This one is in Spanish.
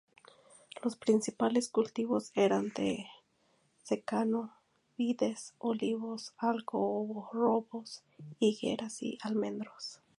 Los principales cultivos eran de secano: vides, olivos, algarrobos, higueras y almendros.